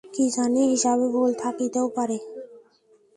কী জানি, হিসাবে ভুল থাকিতেও পারে।